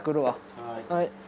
はい。